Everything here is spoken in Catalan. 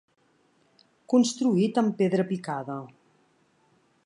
Construït amb pedra picada.